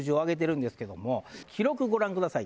記録ご覧ください